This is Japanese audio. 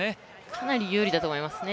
かなり有利だと思いますね。